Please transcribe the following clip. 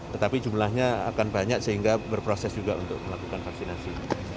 tetapi jumlahnya akan banyak sehingga berproses juga untuk melakukan vaksinasi